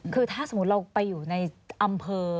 คือถ้าสมมุติเราไปอยู่ในอำเภอ